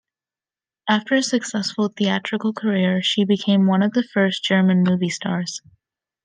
After a successful theatrical career, she became one of the first German movie stars.